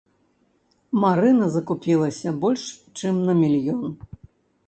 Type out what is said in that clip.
Марына закупілася больш чым на мільён.